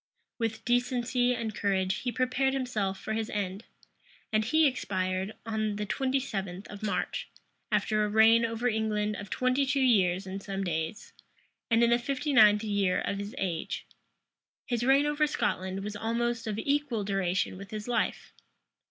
[] With decency and courage, he prepared himself for his end; and he expired on the twenty seventh of March, after a reign over England of twenty two years and some days, and in the fifty ninth year of his age. His reign over Scotland was almost of equal duration with his life.